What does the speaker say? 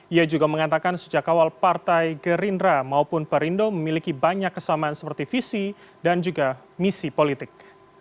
ia juga mengatakan sejak awal partai gerindra maupun perindo memiliki banyak kesamaan seperti visi dan juga misi politik